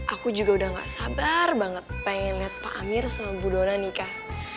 aku juga udah gak sabar banget pengen lihat pak amir sama bu dona nikah